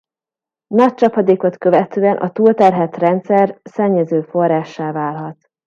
Nagy csapadékot követően a túlterhelt rendszer szennyező-forrássá válhat.